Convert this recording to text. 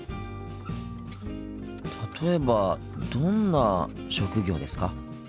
例えばどんな職業ですか？